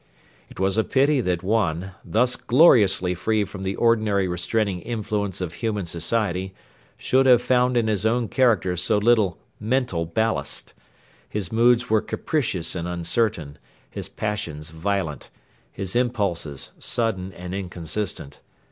It was a pity that one, thus gloriously free from the ordinary restraining influences of human society, should have found in his own character so little mental ballast. His moods were capricious and uncertain, his passions violent, his impulses sudden and inconsistent.